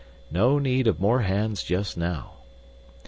No need of more hands just now.